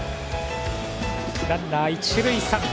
ランナー、一塁三塁。